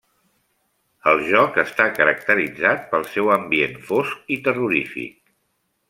El joc està caracteritzat pel seu ambient fosc i terrorífic.